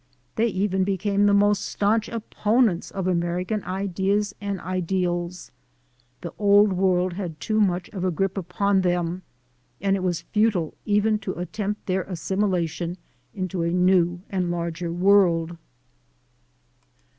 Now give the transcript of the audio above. They even became the most staunch opponents of American ideas and ideals. The Old World had too much of a grip upon them and it was futile even to attempt their assimilation into a new and larger world.